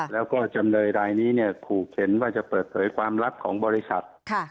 แล้วก็จำเลยรายนี้เนี่ยขู่เข็นว่าจะเปิดเผยความลับของบริษัท